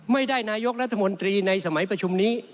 ไม่ได้นายกรัฐมนตรีในสมัยประชุมนี้